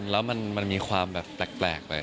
แล้วมันมีความแบบแปลกไป